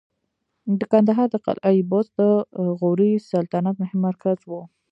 د کندهار د قلعه بست د غوري سلطنت مهم مرکز و